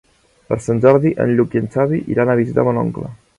Per Sant Jordi en Lluc i en Xavi iran a visitar mon oncle.